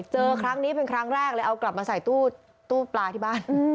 เจอครั้งนี้เป็นครั้งแรกเลยเอากลับมาใส่ตู้ปลาที่บ้าน